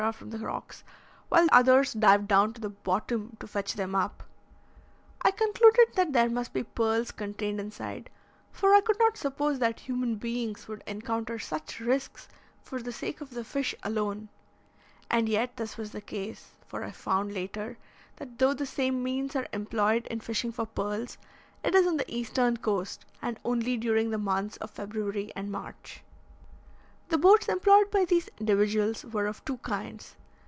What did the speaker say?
from the rocks, while others dived down to the bottom to fetch them up. I concluded that there must be pearls contained inside, for I could not suppose that human beings would encounter such risks for the sake of the fish alone; and yet this was the case, for I found, later, that though the same means are employed in fishing for pearls, it is on the eastern coast and only during the months of February and March. The boats employed by these individuals were of two kinds.